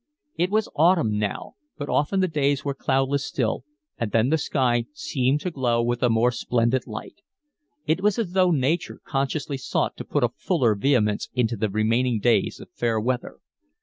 It was autumn now, but often the days were cloudless still, and then the sky seemed to glow with a more splendid light: it was as though nature consciously sought to put a fuller vehemence into the remaining days of fair weather.